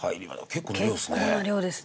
結構な量ですね。